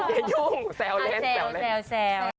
อย่ายุ่งแซวเล่น